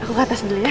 aku ke atas dulu ya